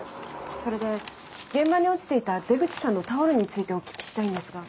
それで現場に落ちていた出口さんのタオルについてお聞きしたいんですが。